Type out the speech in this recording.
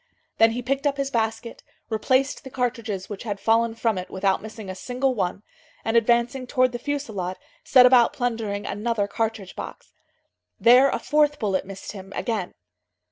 Then he picked up his basket, replaced the cartridges which had fallen from it, without missing a single one, and, advancing towards the fusillade, set about plundering another cartridge box. There a fourth bullet missed him, again.